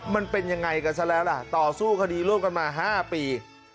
มันเป็นยังไงกันซะแล้วล่ะต่อสู้คดีร่วมกันมา๕ปี